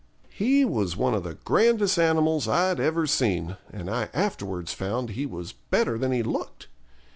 He was one of the grandest animals I'd ever seen, and I afterwards found he was better than he looked.